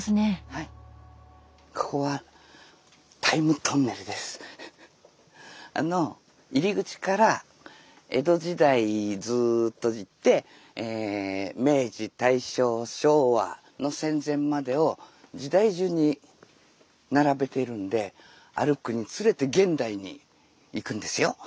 ここはあの入り口から江戸時代ずっと行って明治・大正・昭和の戦前までを時代順に並べているんで歩くにつれて現代に行くんですよ。